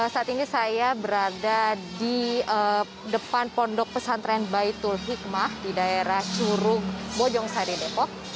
saat ini saya berada di depan pondok pesantren baitul hikmah di daerah curug bojong sari depok